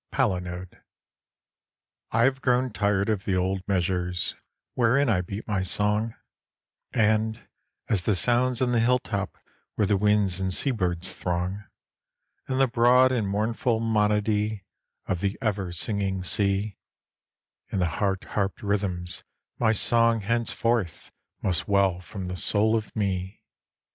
Palinode I HAVE grown tired of the old measures wherein I beat my song, And as the sounds on the hill top where the winds and sea birds throng, And the broad and mournful monody of the ever singing sea, In heart harped rhythms my song henceforth must well from the soul of me.